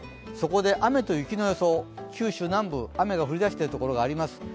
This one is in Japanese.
そこで雨と雪の予想、九州南部、雨が降りだしている所があります。